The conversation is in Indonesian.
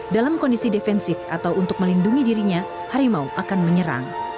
dalam kondisi defensif atau untuk melindungi dirinya harimau akan menyerang